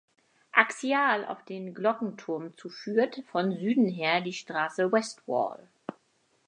Axial auf den Glockenturm zu führt von Süden her die Straße Westwall.